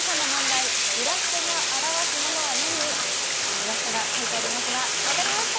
イラストが描いてありますが分かりました！